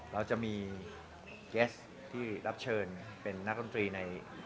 เราจะมีเกสที่รับเชิญเป็นนักดนตรีใน